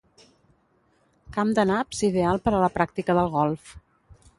Camp de naps ideal per a la pràctica del golf.